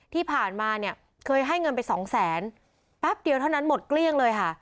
ที่ผ่านมาเนี่ยเคยให้เงินไปสองแสนแป๊บเดียวเท่านั้นหมดเกลี้ยงเลยค่ะ